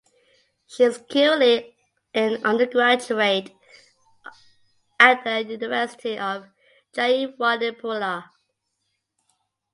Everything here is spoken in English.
She is currently an undergraduate at the University of Jayewardenepura.